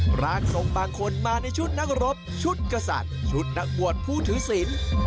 ร่างทรงบางคนมาในชุดนักรบชุดกษัตริย์ชุดนักบวชผู้ถือศิลป์